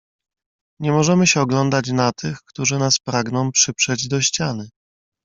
"Nie możemy się oglądać na tych, którzy nas pragną przyprzeć do ściany."